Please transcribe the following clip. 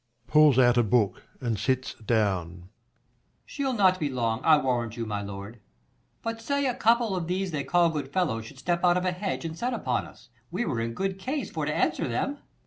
\_Pulls out a book, and sits down. Per. She'll not be long, I warrant you, my lord : But say, a couple of these they call good fellows I o Should step out of a hedge, and set upon us, We were in good case for to answer them.